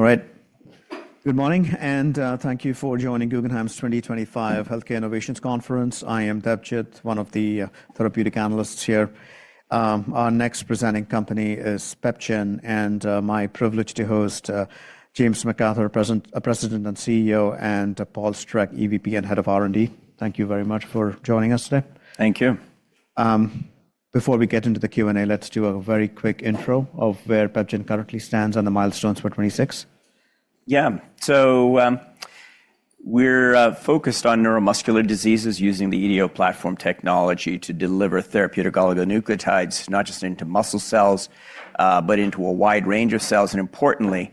All right. Good morning, and thank you for joining Guggenheim's 2025 Healthcare Innovations Conference. I am Debjit, one of the therapeutic analysts here. Our next presenting company is PepGen, and my privilege to host James McArthur, President and CEO, and Paul Streck, EVP and Head of R&D. Thank you very much for joining us today. Thank you. Before we get into the Q&A, let's do a very quick intro of where PepGen currently stands on the milestones for 2026. Yeah, so we're focused on neuromuscular diseases using the EDO platform technology to deliver therapeutic oligonucleotides, not just into muscle cells, but into a wide range of cells, and importantly,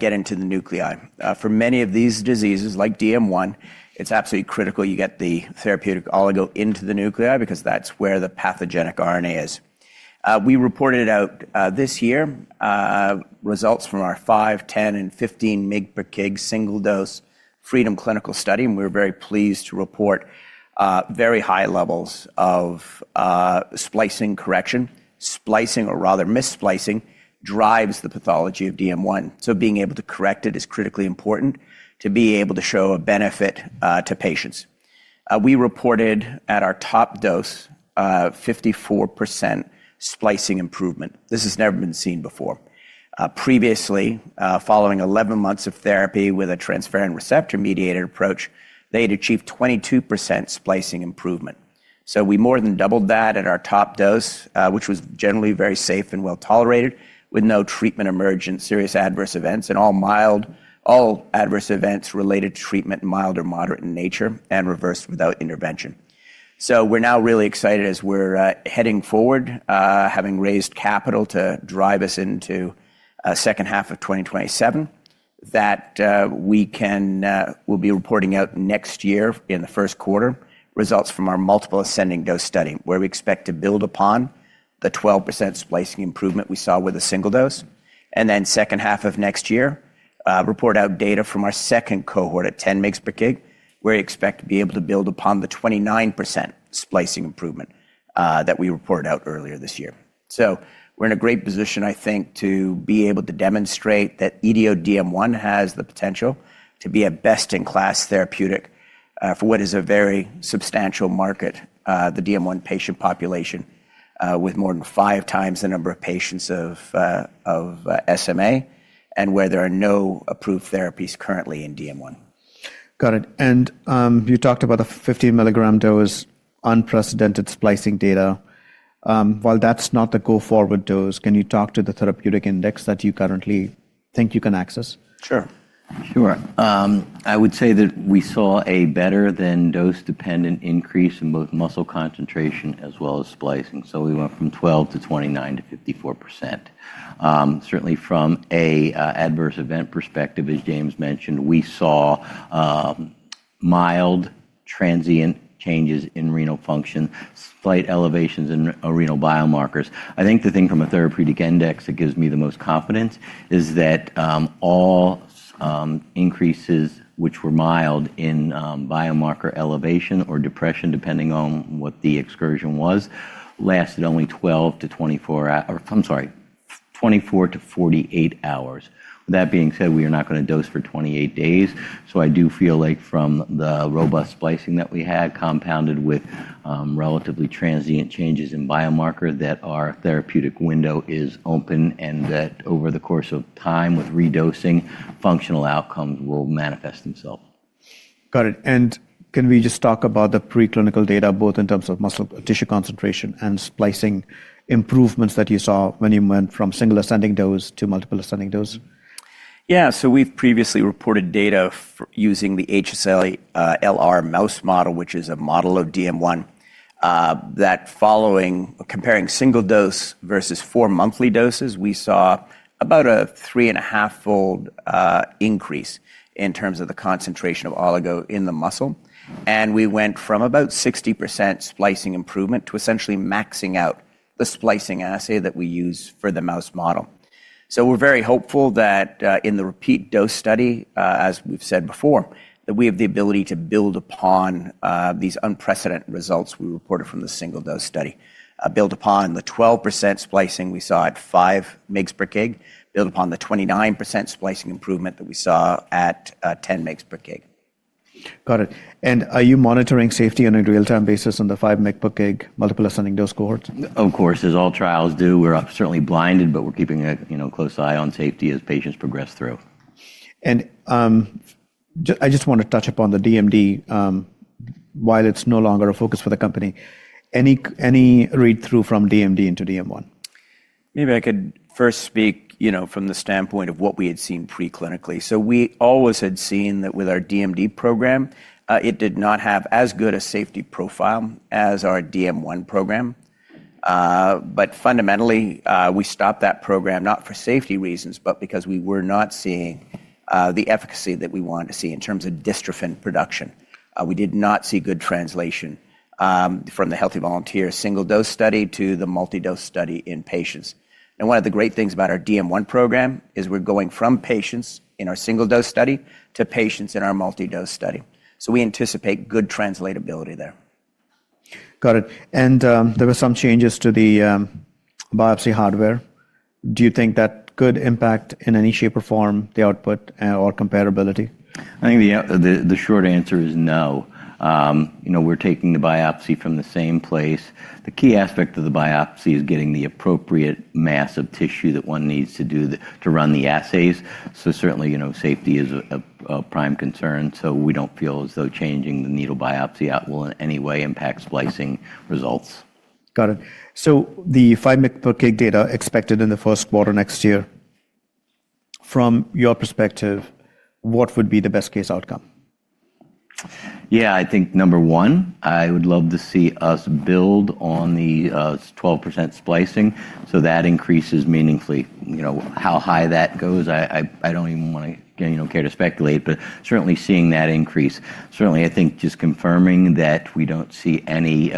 get into the nuclei. For many of these diseases, like DM1, it's absolutely critical you get the therapeutic oligo into the nuclei because that's where the pathogenic RNA is. We reported out this year results from our 5, 10, and 15 mg/kg single-dose FREEDOM clinical study, and we're very pleased to report very high levels of splicing correction. Splicing, or rather missplicing, drives the pathology of DM1. Being able to correct it is critically important to be able to show a benefit to patients. We reported at our top dose 54% splicing improvement. This has never been seen before. Previously, following 11 months of therapy with a transferrin receptor-mediated approach, they had achieved 22% splicing improvement. We more than doubled that at our top dose, which was generally very safe and well tolerated, with no treatment emergent serious adverse events, and all adverse events related to treatment, mild or moderate in nature, and reversed without intervention. We are now really excited as we are heading forward, having raised capital to drive us into the second half of 2027, that we will be reporting out next year in the first quarter results from our multiple ascending dose study, where we expect to build upon the 12% splicing improvement we saw with a single dose. In the second half of next year, we will report out data from our second cohort at 10 mg/kg, where we expect to be able to build upon the 29% splicing improvement that we reported out earlier this year. We're in a great position, I think, to be able to demonstrate that EDODM1 has the potential to be a best-in-class therapeutic for what is a very substantial market, the DM1 patient population, with more than five times the number of patients of SMA, and where there are no approved therapies currently in DM1. Got it. You talked about the 15 mg dose, unprecedented splicing data. While that's not the go-forward dose, can you talk to the therapeutic index that you currently think you can access? Sure. Sure. I would say that we saw a better-than-dose-dependent increase in both muscle concentration as well as splicing. We went from 12% to 29% to 54%. Certainly, from an adverse event perspective, as James mentioned, we saw mild transient changes in renal function, slight elevations in renal biomarkers. I think the thing from a therapeutic index that gives me the most confidence is that all increases, which were mild in biomarker elevation or depression, depending on what the excursion was, lasted only 24-48 hours. That being said, we are not going to dose for 28 days. I do feel like from the robust splicing that we had, compounded with relatively transient changes in biomarker, that our therapeutic window is open and that over the course of time, with redosing, functional outcomes will manifest themselves. Got it. Can we just talk about the preclinical data, both in terms of muscle tissue concentration and splicing improvements that you saw when you went from single ascending dose to multiple ascending dose? Yeah, so we've previously reported data using the HSALR mouse model, which is a model of DM1, that following comparing single dose versus four monthly doses, we saw about a three-and-a-half-fold increase in terms of the concentration of oligo in the muscle. We went from about 60% splicing improvement to essentially maxing out the splicing assay that we use for the mouse model. We are very hopeful that in the repeat dose study, as we've said before, that we have the ability to build upon these unprecedented results we reported from the single dose study, build upon the 12% splicing we saw at 5 mg/kg, build upon the 29% splicing improvement that we saw at 10 mg/kg. Got it. Are you monitoring safety on a real-time basis on the 5 mg/kg multiple ascending dose cohorts? Of course, as all trials do. We're certainly blinded, but we're keeping a close eye on safety as patients progress through. I just want to touch upon the DMD while it's no longer a focus for the company. Any read-through from DMD into DM1? Maybe I could first speak from the standpoint of what we had seen preclinically. We always had seen that with our DMD program, it did not have as good a safety profile as our DM1 program. Fundamentally, we stopped that program, not for safety reasons, but because we were not seeing the efficacy that we wanted to see in terms of dystrophin production. We did not see good translation from the Healthy Volunteer single-dose study to the multi-dose study in patients. One of the great things about our DM1 program is we're going from patients in our single-dose study to patients in our multi-dose study. We anticipate good translatability there. Got it. There were some changes to the biopsy hardware. Do you think that could impact in any shape or form the output or comparability? I think the short answer is no. We're taking the biopsy from the same place. The key aspect of the biopsy is getting the appropriate mass of tissue that one needs to do to run the assays. Certainly, safety is a prime concern. We don't feel as though changing the needle biopsy out will in any way impact splicing results. Got it. So the 5 mg/kg data expected in the first quarter next year, from your perspective, what would be the best-case outcome? Yeah, I think number one, I would love to see us build on the 12% splicing. So that increases meaningfully. How high that goes, I don't even want to care to speculate, but certainly seeing that increase. Certainly, I think just confirming that we don't see any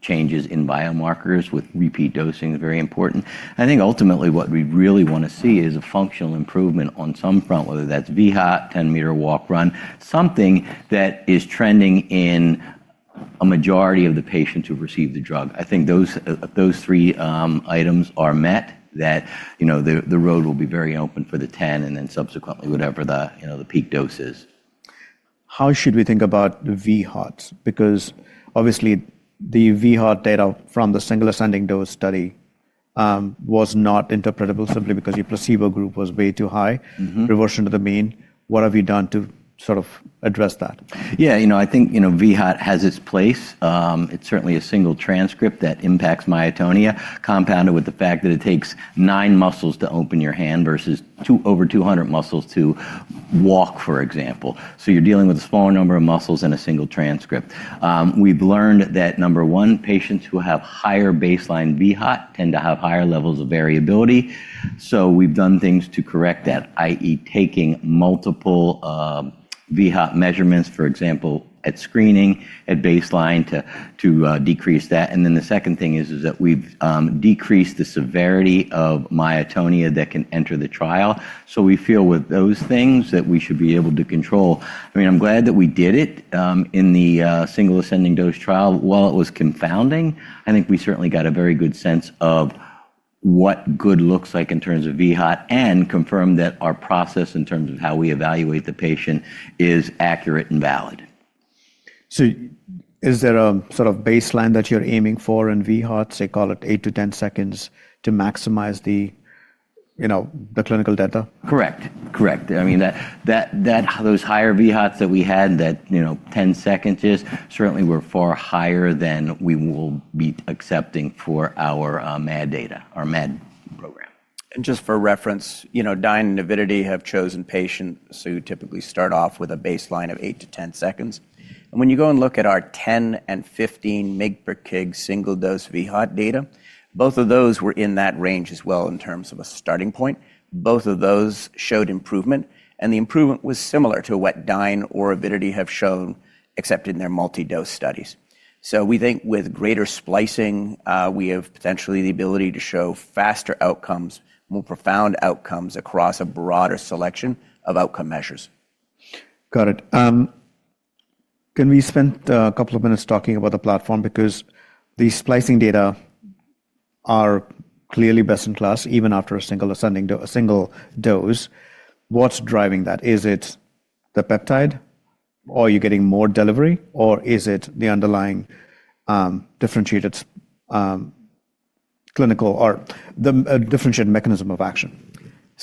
changes in biomarkers with repeat dosing is very important. I think ultimately what we really want to see is a functional improvement on some front, whether that's VHAT, 10 Meter Walk/Run, something that is trending in a majority of the patients who receive the drug. I think those three items are met, that the road will be very open for the 10 and then subsequently whatever the peak dose is. How should we think about the VHATs? Because obviously the VHAT data from the single ascending dose study was not interpretable simply because your placebo group was way too high, reversion to the mean. What have you done to sort of address that? Yeah, you know I think VHAT has its place. It's certainly a single transcript that impacts myotonia, compounded with the fact that it takes nine muscles to open your hand versus over 200 muscles to walk, for example. You are dealing with a smaller number of muscles in a single transcript. We've learned that number one, patients who have higher baseline VHAT tend to have higher levels of variability. We've done things to correct that, i.e., taking multiple VHAT measurements, for example, at screening at baseline to decrease that. The second thing is that we've decreased the severity of myotonia that can enter the trial. We feel with those things that we should be able to control. I mean, I'm glad that we did it in the single ascending dose trial. While it was confounding, I think we certainly got a very good sense of what good looks like in terms of VHAT and confirmed that our process in terms of how we evaluate the patient is accurate and valid. Is there a sort of baseline that you're aiming for in VHATs? They call it 8-10 seconds to maximize the clinical data? Correct. Correct. I mean, those higher VHATs that we had, that 10 seconds is, certainly were far higher than we will be accepting for our med data, our med program. And just for reference, Dyne and Avidity have chosen patients who typically start off with a baseline of 8-10 seconds. And when you go and look at our 10 and 15 mg/kg single-dose VHAT data, both of those were in that range as well in terms of a starting point. Both of those showed improvement, and the improvement was similar to what Dyne or Avidity have shown, except in their multi-dose studies. We think with greater splicing, we have potentially the ability to show faster outcomes, more profound outcomes across a broader selection of outcome measures. Got it. Can we spend a couple of minutes talking about the platform? Because these splicing data are clearly best in class, even after a single dose. What's driving that? Is it the peptide, or are you getting more delivery, or is it the underlying differentiated clinical or differentiated mechanism of action?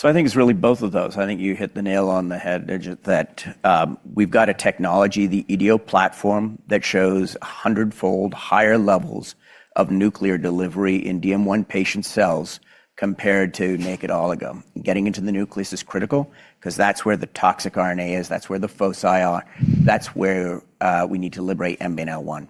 I think it's really both of those. I think you hit the nail on the head that we've got a technology, the EDO platform, that shows 100-fold higher levels of nuclear delivery in DM1 patient cells compared to naked oligo. Getting into the nucleus is critical because that's where the toxic RNA is, that's where the foci are, that's where we need to liberate MBNL1.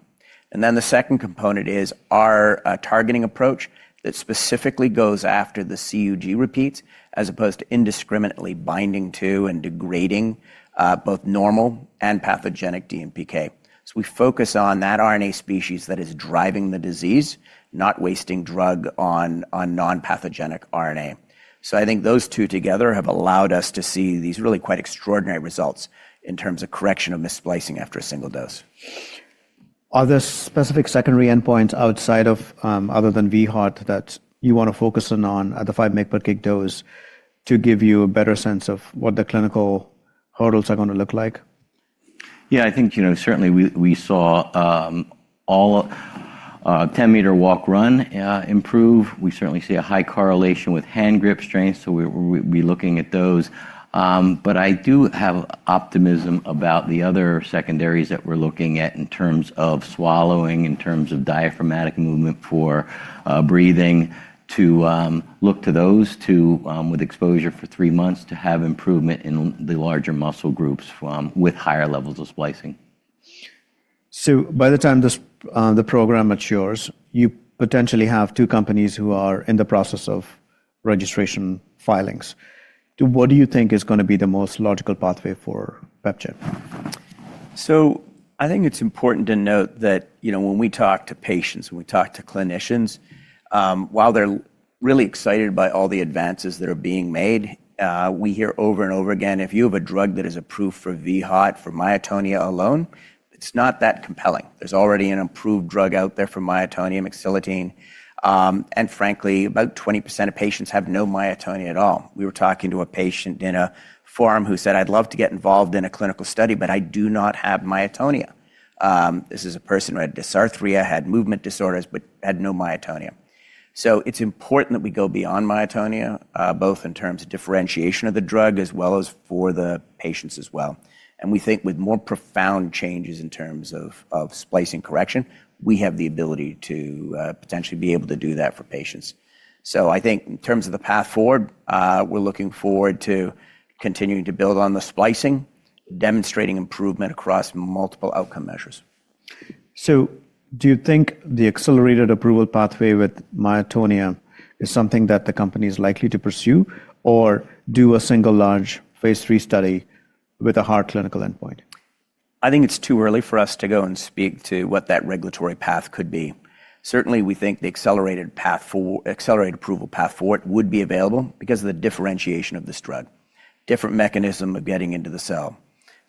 The second component is our targeting approach that specifically goes after the CUG repeats as opposed to indiscriminately binding to and degrading both normal and pathogenic DMPK. We focus on that RNA species that is driving the disease, not wasting drug on non-pathogenic RNA. I think those two together have allowed us to see these really quite extraordinary results in terms of correction of missplicing after a single dose. Are there specific secondary endpoints outside of, other than VHAT, that you want to focus in on at the 5 mg/kg dose to give you a better sense of what the clinical hurdles are going to look like? Yeah, I think certainly we saw all 10 Meter Walk/Run improve. We certainly see a high correlation with hand grip strength, so we'll be looking at those. I do have optimism about the other secondaries that we're looking at in terms of swallowing, in terms of diaphragmatic movement for breathing, to look to those with exposure for three months to have improvement in the larger muscle groups with higher levels of splicing. By the time the program matures, you potentially have two companies who are in the process of registration filings. What do you think is going to be the most logical pathway for PepGen? I think it's important to note that when we talk to patients, when we talk to clinicians, while they're really excited by all the advances that are being made, we hear over and over again, if you have a drug that is approved for VHAT for myotonia alone, it's not that compelling. There's already an approved drug out there for myotonia, mexiletine. Frankly, about 20% of patients have no myotonia at all. We were talking to a patient in a forum who said, "I'd love to get involved in a clinical study, but I do not have myotonia." This is a person who had dysarthria, had movement disorders, but had no myotonia. It's important that we go beyond myotonia, both in terms of differentiation of the drug as well as for the patients as well. We think with more profound changes in terms of splicing correction, we have the ability to potentially be able to do that for patients. I think in terms of the path forward, we're looking forward to continuing to build on the splicing, demonstrating improvement across multiple outcome measures. Do you think the accelerated approval pathway with myotonia is something that the company is likely to pursue, or do a single large phase III study with a hard clinical endpoint? I think it's too early for us to go and speak to what that regulatory path could be. Certainly, we think the accelerated approval path forward would be available because of the differentiation of this drug, different mechanism of getting into the cell,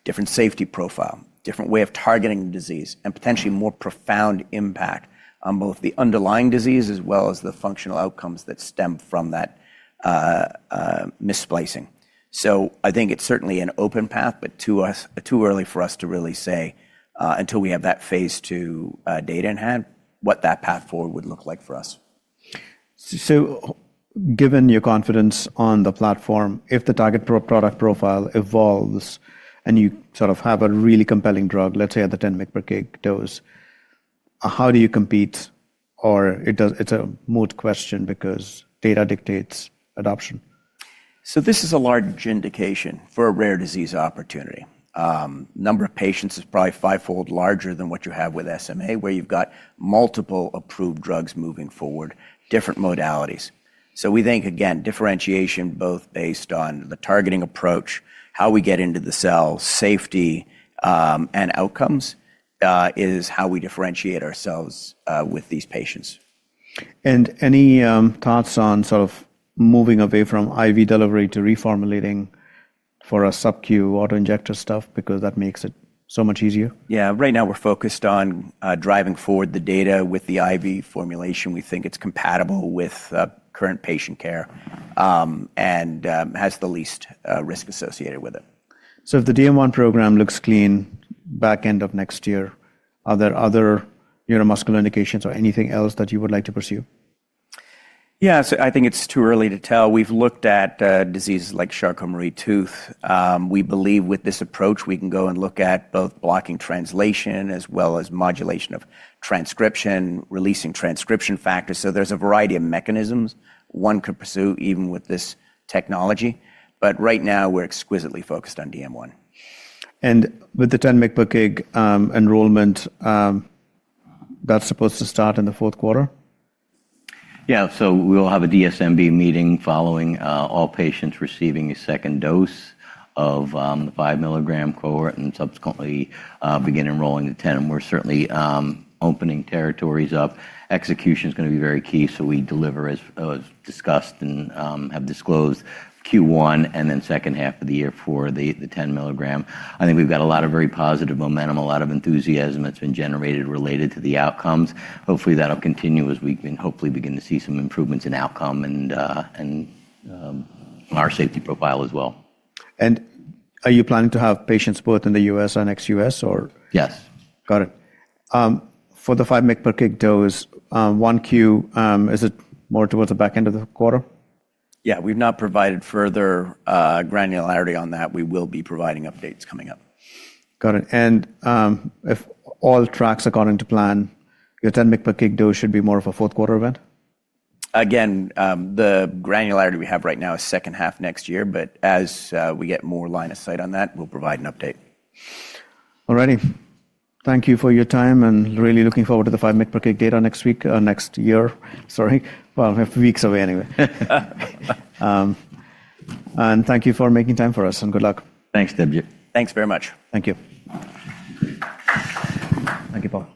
different safety profile, different way of targeting the disease, and potentially more profound impact on both the underlying disease as well as the functional outcomes that stem from that missplicing. I think it's certainly an open path, but too early for us to really say until we have that phase two data in hand what that path forward would look like for us. Given your confidence on the platform, if the target product profile evolves and you sort of have a really compelling drug, let's say at the 10 mg/kg dose, how do you compete? Or it's a moot question because data dictates adoption. This is a large indication for a rare disease opportunity. The number of patients is probably five-fold larger than what you have with SMA, where you've got multiple approved drugs moving forward, different modalities. We think, again, differentiation both based on the targeting approach, how we get into the cell, safety, and outcomes is how we differentiate ourselves with these patients. Any thoughts on sort of moving away from IV delivery to reformulating for a subQ autoinjector stuff because that makes it so much easier? Yeah, right now we're focused on driving forward the data with the IV formulation. We think it's compatible with current patient care and has the least risk associated with it. If the DM1 program looks clean back end of next year, are there other neuromuscular indications or anything else that you would like to pursue? Yeah, so I think it's too early to tell. We've looked at diseases like Charcot-Marie-Tooth. We believe with this approach, we can go and look at both blocking translation as well as modulation of transcription, releasing transcription factors. There's a variety of mechanisms one could pursue even with this technology. Right now, we're exquisitely focused on DM1. With the 10 mg/kg enrollment, that's supposed to start in the fourth quarter? Yeah, we'll have a DSMB meeting following all patients receiving a second dose of the 5 mg cohort and subsequently begin enrolling the 10. We're certainly opening territories up. Execution is going to be very key. We deliver, as discussed and have disclosed, Q1 and then second half of the year for the 10 mg. I think we've got a lot of very positive momentum, a lot of enthusiasm that's been generated related to the outcomes. Hopefully, that'll continue as we can hopefully begin to see some improvements in outcome and our safety profile as well. Are you planning to have patients both in the U.S. and ex-U.S., or? Yes. Got it. For the 5 mg/kg dose, 1Q, is it more towards the back end of the quarter? Yeah, we've not provided further granularity on that. We will be providing updates coming up. Got it. If all tracks are going to plan, your 10 mg/kg dose should be more of a fourth quarter event? Again, the granularity we have right now is second half next year, but as we get more line of sight on that, we'll provide an update. All righty. Thank you for your time and really looking forward to the 5 mg/kg data next week or next year. Sorry, we have weeks away anyway. Thank you for making time for us and good luck. Thanks, Debjit. Thanks very much. Thank you. Thank you, Paul.